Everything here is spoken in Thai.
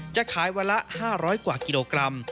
จะขายวันละ๕๐๐กว่ากิโลกรัม